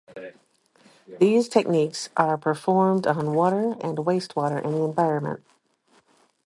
These techniques are performed on water and wastewater in the environment.